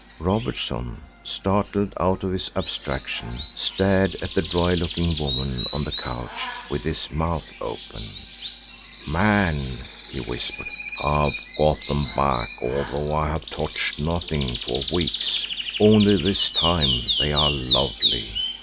Robertson, startled out of his abstraction, stared at the royal looking woman on the couch with his mouth open. "Man," he whispered, "I've got them back although I have touched nothing for weeks, only this time they are lovely.